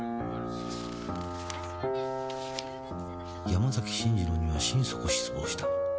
山崎信二郎には心底失望した